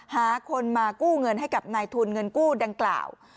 หาคนมากู้เงินให้กับนายทุนเงินกู้ดังกล่าว